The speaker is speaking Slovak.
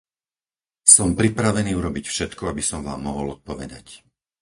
Som pripravený urobiť všetko, aby som vám mohol odpovedať.